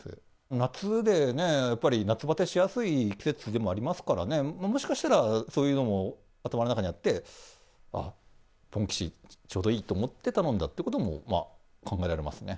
夏でやっぱり、夏ばてしやすい季節でもありますからね、もしかしたらそういうのも頭の中にあって、あっ、ぽんきし、ちょうどいいと思って、頼んだということも考